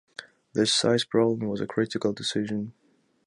This size problem was a critical decision.